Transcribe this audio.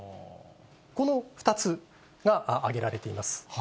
この２つが挙げられています。